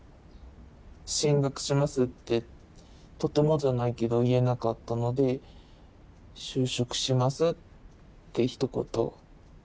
「進学します」ってとてもじゃないけど言えなかったので「就職します」ってひと言。